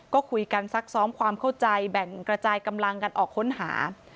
ก็คุยกันซักซ้อมความเข้าใจแบ่งกระจายกำลังกันออกค้นหา